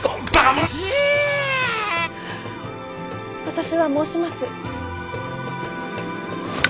私は申します。